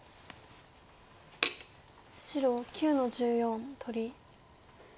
白９の十四取り。